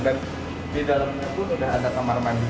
dan di dalamnya pun ada kamar mandinya